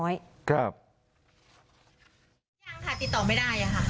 ยังค่ะติดต่อไม่ได้ค่ะ